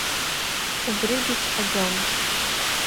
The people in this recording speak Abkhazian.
Убригьы сҳәаӡом.